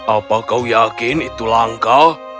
apa kau yakin itu langka